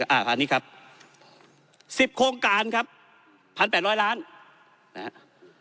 อ่าอันนี้ครับสิบโครงการครับพันแปดร้อยล้านนะฮะ